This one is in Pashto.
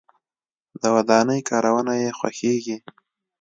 د ودانۍ کارونه یې خوښیږي.